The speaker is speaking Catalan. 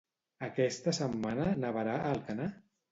Aquesta setmana nevarà a Alcanar?